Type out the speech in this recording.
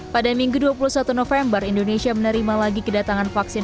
pada minggu dua puluh satu november indonesia menerima lagi kedatangan vaksin